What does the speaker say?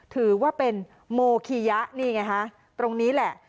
ถือว่าเป็นโมคียะนี่ไงฮะตรงนี้แหละ